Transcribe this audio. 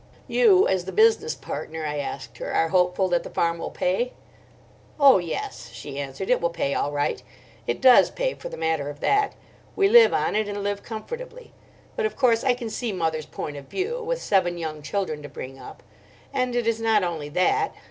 "You, as the business partner," I asked her, "are hopeful that the farm will pay?" "Oh, yes," she answered, "it will pay all right—it does pay, for the matter of that. We live on it and live comfortably. But, of course, I can see mother's point of view, with seven young children to bring up. And it is not only that."